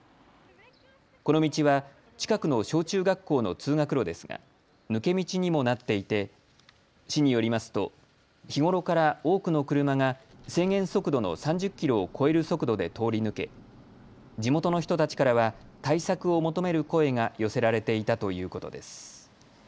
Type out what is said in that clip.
この道は近くの小中学校の通学路ですが抜け道にもなっていて市によりますと日頃から多くの車が制限速度の３０キロを超える速度で通り抜け地元の人たちからは対策を求める声が寄せられていたということです。